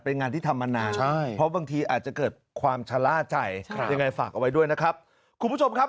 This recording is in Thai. เป็นงานที่ทำมานานใช่เพราะบางทีอาจจะเกิดความชะล่าใจยังไงฝากเอาไว้ด้วยนะครับคุณผู้ชมครับ